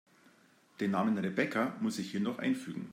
Den Namen Rebecca muss ich hier noch einfügen.